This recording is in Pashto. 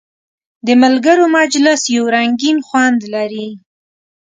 د ملګرو مجلس یو رنګین خوند لري.